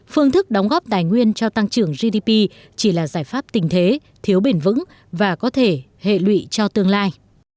phương thức đóng góp tài nguyên cho tăng trưởng gdp chỉ là giải pháp tình thế thiếu bền vững và có thể hệ lụy cho tương lai